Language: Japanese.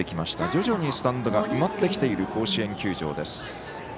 徐々にスタンド埋まってきている甲子園球場です。